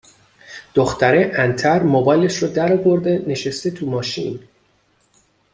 دختره انتر موبایلش رو در آورده نشسته تو ماشین